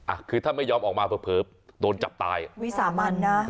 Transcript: อ่ะคือถ้าไม่ยอมออกมาเผลอโดนจับตายอ่ะวิสามันนะ